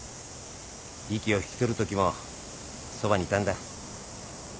息を引き取るときもそばにいたんだ。